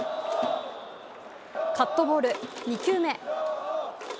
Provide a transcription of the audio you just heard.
カットボール、２球目。